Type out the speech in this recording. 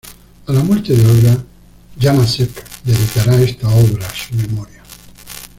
A la muerte de Olga, Janáček dedicará esta obra a su memoria.